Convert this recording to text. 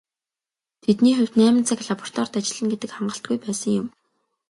Тэдний хувьд найман цаг лабораторид ажиллана гэдэг хангалтгүй байсан юм.